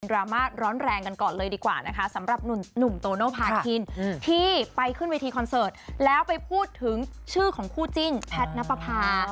ราม่าร้อนแรงกันก่อนเลยดีกว่านะคะสำหรับหนุ่มโตโนภาคินที่ไปขึ้นเวทีคอนเสิร์ตแล้วไปพูดถึงชื่อของคู่จิ้นแพทนับประพา